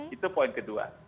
itu poin kedua